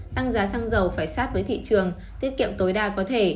tăng giá xăng dầu phải sát với thị trường tiết kiệm tối đa có thể